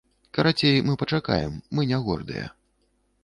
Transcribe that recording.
Карацей, мы пачакаем, мы не гордыя.